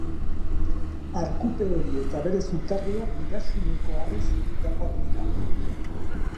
Arkupe hori eta bere zutarriak Bidaxuneko harriz egindakoak dira.